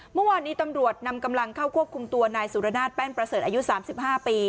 เมื่อวานนี้ตำรวจนำกำลังเข้าควบคุมตัวนายสุรนาศแป้นประเสริฐอายุ๓๕ปี